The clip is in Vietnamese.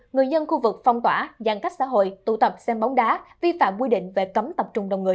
người dân khu vực phong tỏa giãn cách xã hội tụ tập xem bóng đá vi phạm quy định về cấm tập trung đông người